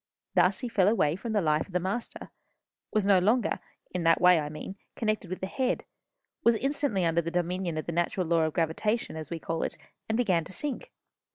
Thus he fell away from the life of the Master; was no longer, in that way I mean, connected with the Head, was instantly under the dominion of the natural law of gravitation, as we call it, and began to sink.